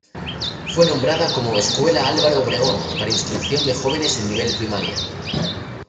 Fue nombrada como Escuela Álvaro Obregón para instrucción de jóvenes en nivel primaria.